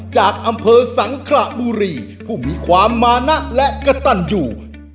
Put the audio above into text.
จากอำเภอสังขระบุรีผู้มีความมานะและกระตันอยู่